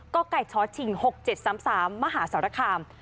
ก็ใกล้ช้อชิง๖๗๓๓มหาสารคาม